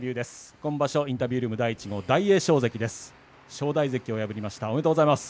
今場所、インタビュー第１号大栄翔関です。